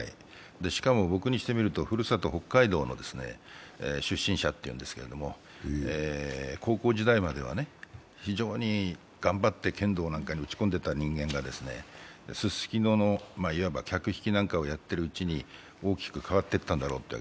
しかも僕にしてみるとふるさと・北海道の出身者というんですけれども、高校時代までは非常に頑張って剣道なんかに打ち込んでいた人間がススキノのいわば客引きなんかをやっているうちに大きく変わっていったんだろうと。